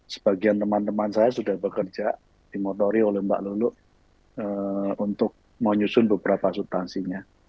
sebagian teman teman saya sudah bekerja dimotori oleh mbak lulu untuk menyusun beberapa subtansinya